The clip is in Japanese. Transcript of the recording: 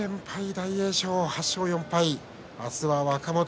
大栄翔です、８勝４敗。